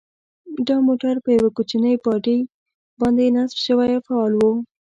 دا موټر په یوې کوچنۍ باډۍ باندې نصب شوی او فعال و.